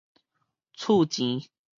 厝簷